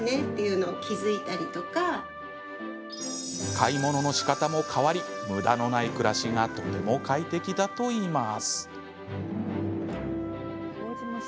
買い物のしかたも変わりむだのない暮らしがとても快適だといいます。